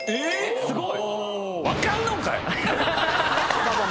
すごい！